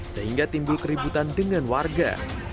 sehingga timbul keributan dengan warga